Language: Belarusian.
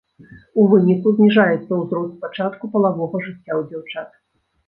У выніку зніжаецца ўзрост пачатку палавога жыцця ў дзяўчат.